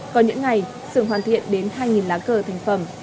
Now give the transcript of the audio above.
còn những ngày sườn hoàn thiện đến hai lá cờ thành phẩm